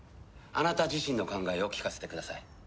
あなた自身の考えを聞かせてください。